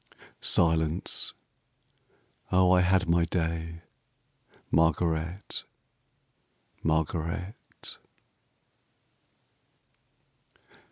Silence! O, I had my day, Margaret, Margaret.